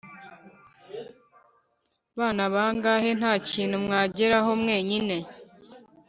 bana bange. Nta kintu mwageraho mwenyine;